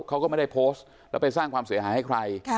เขาก็ไม่ได้โพสต์แล้วไปสร้างความเสียหายให้ใคร